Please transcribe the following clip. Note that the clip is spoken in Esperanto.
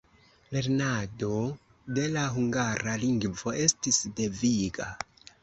Lernado de la hungara lingvo estis deviga.